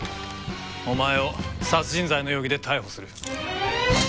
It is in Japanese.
お前を殺人罪の容疑で逮捕する。